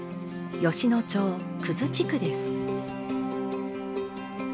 吉野町国栖地区です。